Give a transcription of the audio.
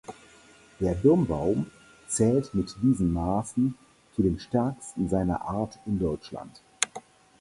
Der Birnbaum zählt mit diesen Maßen zu den stärksten seiner Art in Deutschland.